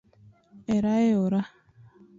Erae ora